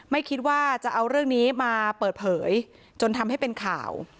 ไม่คิดว่าจะเอาเรื่องนี้มาเปิดเผยจนทำให้เป็นข่าว